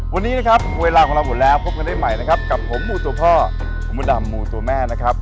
วันนี้นะครับเวลาของเราหมดแล้วพบกันได้ใหม่นะครับกับผมหมู่ตัวพ่อคุณมดดำหมู่ตัวแม่นะครับ